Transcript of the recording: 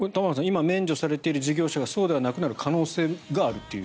今、免除されている事業者がそうではなくなる可能性があるという。